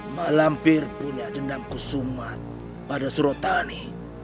malampir punya dendam kusumat pada surotani